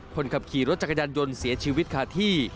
คนขับขี่รถจักรยานยนต์เสียชีวิตขาดที่